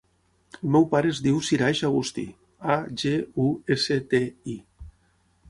El meu pare es diu Siraj Agusti: a, ge, u, essa, te, i.